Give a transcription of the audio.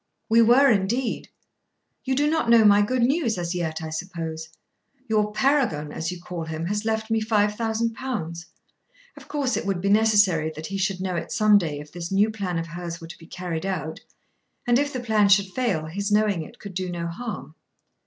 "We were, indeed. You do not know my good news as yet, I suppose. Your Paragon, as you call him, has left me five thousand pounds." Of course it would be necessary that he should know it some day if this new plan of hers were to be carried out; and if the plan should fail, his knowing it could do no harm.